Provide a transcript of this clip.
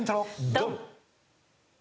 ドン！